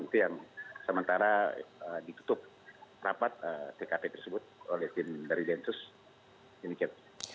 itu yang sementara ditutup rapat tkp tersebut oleh tim dari densus demikian